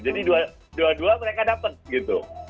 dua dua mereka dapat gitu